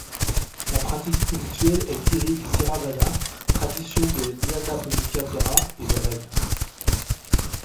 Sa pratique spirituelle est tirée du theravāda, tradition de Nyanaponika Thera et le Rév.